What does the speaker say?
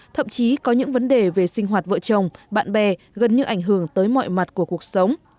thậm chí có những vấn đề về sinh hoạt vợ chồng bạn bè gần như ảnh hưởng tới mọi mặt của cuộc sống